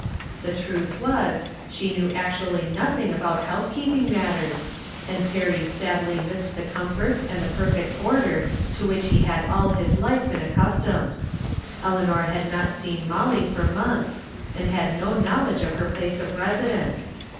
The truth was, she knew actually nothing about housekeeping matters, and Perry sadly missed the comforts and the perfect order to which he had all his life been accustomed. Eleanor had not seen Molly for months, and had no know ledge of her place of residence.